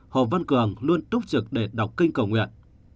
hồ văn cường luôn túc trực để đọc kinh cầu nguyện